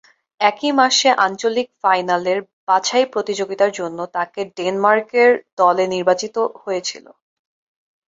একই মাসে আঞ্চলিক ফাইনালের বাছাই প্রতিযোগিতার জন্য তাকে ডেনমার্কের দলে নির্বাচিত হয়েছিল।